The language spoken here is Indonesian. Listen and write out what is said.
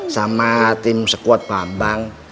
sama tim squad bambang